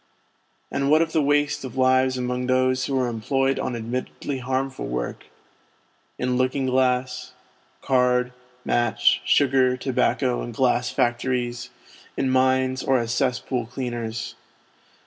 And what of the waste of lives among those who are employed on admittedly harmful work : in looking glass, card, match, sugar, tobacco, and glass factories; in mines, or as cesspool cleaners.